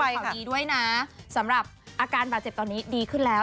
ข่าวดีด้วยนะสำหรับอาการบาดเจ็บตอนนี้ดีขึ้นแล้ว